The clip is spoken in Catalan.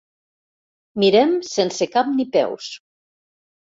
Mirem sense cap ni peus.